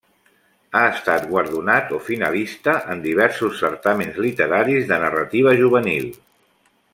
Ha estat guardonat o finalista en diversos certàmens literaris de narrativa juvenil.